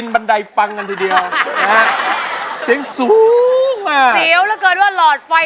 บ้านคือกำดังหักหนัวใจ